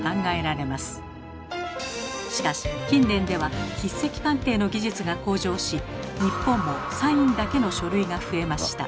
しかし近年では筆跡鑑定の技術が向上し日本もサインだけの書類が増えました。